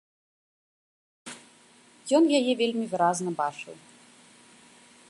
Ён яе вельмі выразна бачыў.